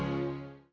aku akan bersihkan